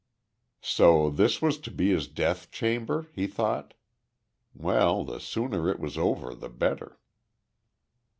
So this was to be his death chamber, he thought? Well, the sooner it was over the better.